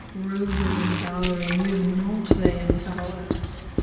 Roses embowering with naught they embower!